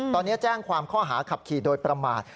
ตอนนี้แจ้งความข้อหาขับขี่โดยประมาท